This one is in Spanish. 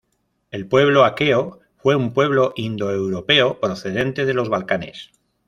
El pueblo aqueo fue un pueblo indoeuropeo procedente de los Balcanes.